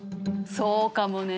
そうかもね。